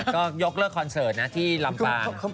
ก็ยกเลิกคอนเสิร์ตนะที่ลำปาง